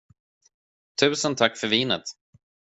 Tusen tack för vinet.